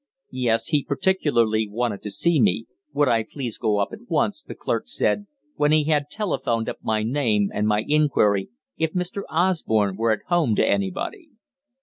Yes, he particularly wanted to see me; would I please go up at once, the clerk said when he had telephoned up my name and my inquiry if Mr. Osborne were at home to anybody.